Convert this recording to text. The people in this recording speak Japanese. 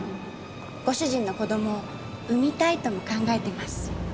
ご主人の子供を産みたいとも考えています。